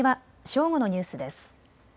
正午のニュースです。